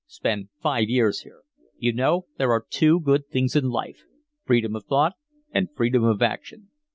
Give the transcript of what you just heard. Spend five years here. You know, there are two good things in life, freedom of thought and freedom of action.